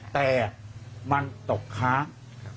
แต่มันตกค้าง